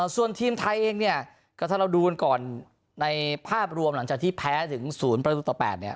ส่วนทีมไทยเองเนี่ยก็ถ้าเราดูกันก่อนในภาพรวมหลังจากที่แพ้ถึง๐ประตูต่อ๘เนี่ย